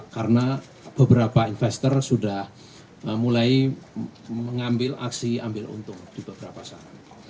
karena beberapa investor sudah mulai mengambil aksi ambil untung di beberapa saham